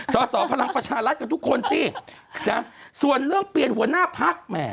สอสอพลังประชารัฐกับทุกคนสินะส่วนเรื่องเปลี่ยนหัวหน้าพักแหม